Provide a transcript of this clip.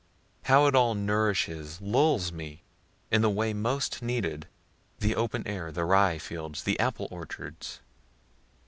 How it all nourishes, lulls me, in the way most needed; the open air, the rye fields, the apple orchards.